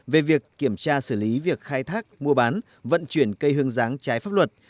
về việc kiểm tra xử lý việc khai thác mua bán vận chuyển cây hương giáng trái pháp luật